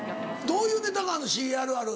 どういうネタがＣＡあるある。